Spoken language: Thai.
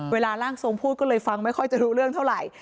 ร่างทรงพูดก็เลยฟังไม่ค่อยจะรู้เรื่องเท่าไหร่